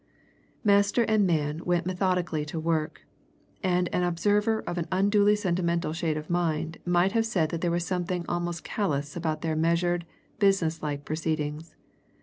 Master and man went methodically to work; and an observer of an unduly sentimental shade of mind might have said that there was something almost callous about their measured, business like proceedings.